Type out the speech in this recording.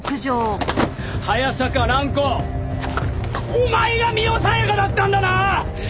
早坂蘭子お前が深世小夜香だったんだな！